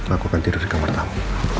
aku akan tidur di kamar tamu